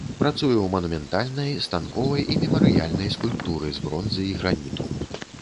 Працуе ў манументальнай, станковай і мемарыяльнай скульптуры з бронзы і граніту.